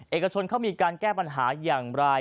เอกชนเขามีการแก้ปัญหาอย่างไร